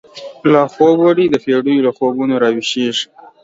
لا خوب وړی دپیړیو، له خوبونو را وښیږیږی